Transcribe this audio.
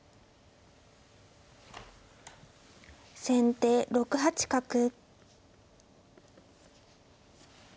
先手６八角。